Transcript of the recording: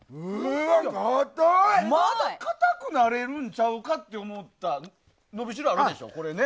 まだ、かたくなれるんちゃうかっていう伸びしろあるでしょ、これ。